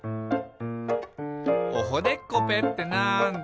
「おほでっこぺってなんだ？」